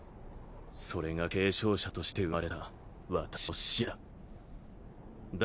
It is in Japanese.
それが継承者として生まれた私の使命だ。